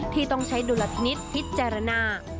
ที่ต้องใช้ดุลพินิษฐ์พิจารณา